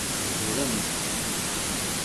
Teddremt?